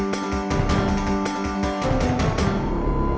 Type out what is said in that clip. tukerin aja ah